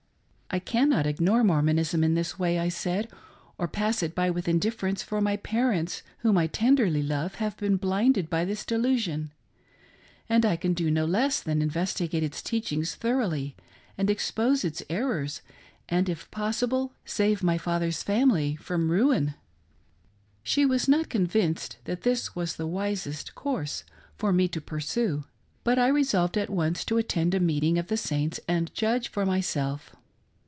" I cannot ignore Mormonism in this way," I said, " or pass it by with indifference, for my parents ,whom I tenderly love have been blinded by this delusion, and I can do no less than investigate its teachings thoroughly, and expose its errors, and, if possible, save my father's family from ruin." 42 CATCHING THE MORMON FEVER. She' was not convinced that this was the wisest course for me to pursue, but I resolved at once to attend a meeting of the Saints and judge for myself.